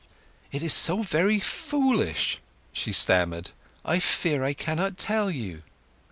"It is so very foolish," she stammered; "I fear I can't tell you!"